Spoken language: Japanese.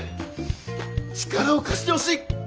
力を貸してほしい。